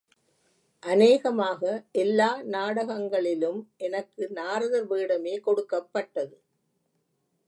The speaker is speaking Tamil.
அநேகமாக எல்லா நாடகங்களிலும் எனக்கு நாரதர் வேடமே கொடுக்கப்பட்டது.